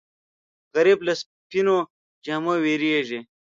غریب له سپینو جامو وېرېږي